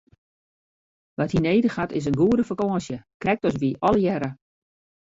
Wat hy nedich hat is in goede fakânsje, krekt as wy allegearre!